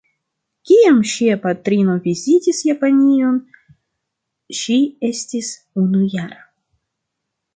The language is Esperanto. Kiam ŝia patrino vizitis Japanion, ŝi estis unujara.